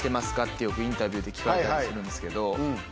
ってよくインタビューで聞かれたりするんですけど。